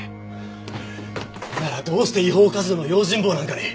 ならどうして違法カジノの用心棒なんかに！